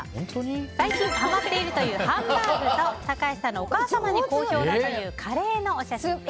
最近はまっているというハンバーグという高橋さんのお母様に好評だというカレーのお写真です。